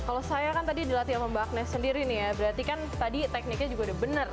kalau saya kan tadi dilatih sama mbak agnes sendiri nih ya berarti kan tadi tekniknya juga udah benar